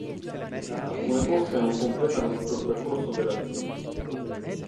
Alcune corse non completano tutto il percorso della linea.